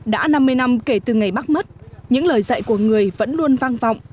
đã năm mươi năm kể từ ngày bác mất những lời dạy của người vẫn luôn vang vọng